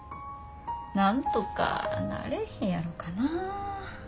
なんとかなれへんやろかなぁ。